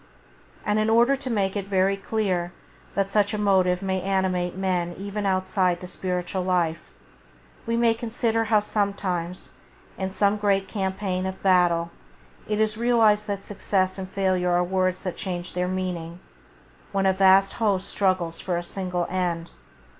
And in order to make it very clear that such a motive may animate men even outside the spiritual life, we may consider how sometimes in some great campaign of battle it is realized that success and failure are words that change their meaning, when a vast host struggles for a single end.